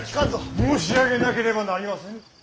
申し上げなければなりませぬ。